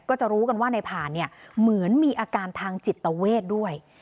ก็จะรู้กันว่าในผ่านเนี่ยเหมือนมีอาการทางจิตเวทด้วย